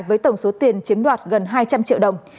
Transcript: với tổng số tiền chiếm đoạt gần hai trăm linh triệu đồng